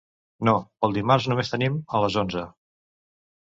No, pel dimarts només tenim a les onze.